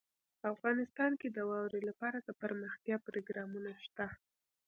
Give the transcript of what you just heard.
افغانستان کې د واوره لپاره دپرمختیا پروګرامونه شته.